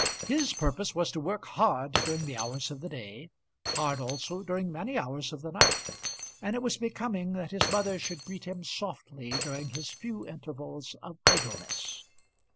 His purpose was to work hard during the hours of the day, hard also during many hours of the night; and it was becoming that his mother should greet him softly during his few intervals of idleness.